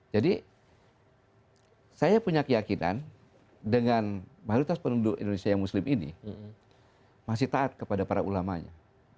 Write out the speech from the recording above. jadi saya punya keyakinan dengan mahluk tas penduduk indonesia yang muslim ini masih taat kepada para ulamanya